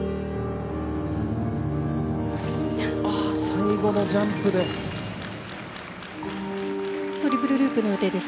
最後のジャンプで。